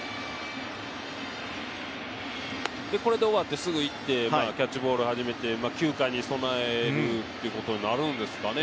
これで終わってすぐ行ってキャッチボール始めて９回に備えるってことになるんですかね。